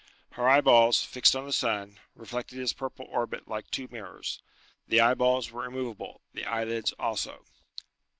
Her eyeballs, fixed on the sun, reflected his purple orbit like two mirrors. The eyeballs were immovable, the eyelids also.